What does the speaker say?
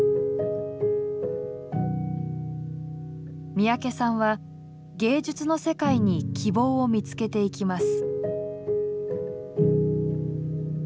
三宅さんは芸術の世界に希望を見つけていきます。